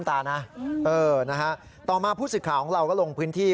แต่ที่มานี่เป็นกับรับเรียน